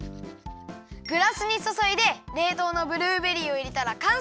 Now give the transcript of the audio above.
グラスにそそいでれいとうのブルーベリーをいれたらかんせい！